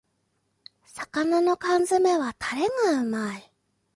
魚の缶詰めはタレがうまい